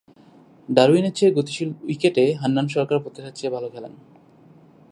Darwin এর চেয়ে গতিশীল উইকেটে হান্নান সরকার প্রত্যাশার চেয়ে ভাল খেলেন।